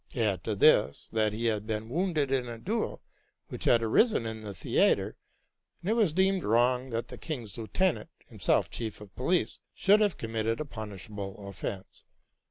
Add to this, that he had been wounded in a duel, which had arisen in the theatre, and it was deemed wrong that the king's lieutenant, himself chief of police, should have committed a punishable offence.